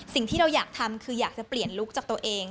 สิ่งที่เราอยากทำคืออยากจะเปลี่ยนลุคจากตัวเอง